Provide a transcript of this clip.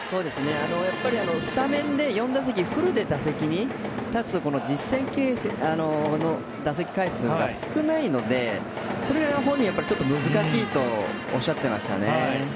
やっぱりスタメンで４打席フルで打席に立つ実戦の打席回数が少ないのでそれが本人はちょっと難しいとおっしゃっていましたね。